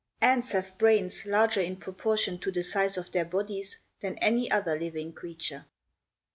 Ants have brains larger in proportion to the size of their bodies than any other living creature.